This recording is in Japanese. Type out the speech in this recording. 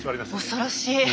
恐ろしい！